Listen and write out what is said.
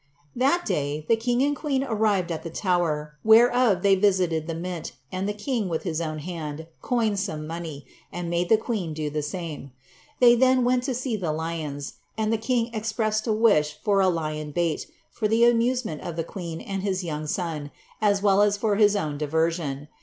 That day the king and queen arrived at the Tower, whereof they visited the Mint, and the king, with his own hand, coined some money, and made the queen do the same. They then went to see the lions, and the king expressed a wish for a lion bait, for the amusement of the queen and his young son, as well as for his own diversion.